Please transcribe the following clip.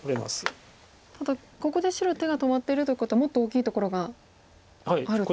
ただここで白手が止まってるということはもっと大きいところがあると。